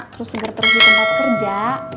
terus segar terus di tempat kerja